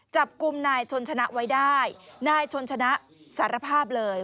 จับกลุ่มนายชนชนะไว้ได้นายชนชนะสารภาพเลย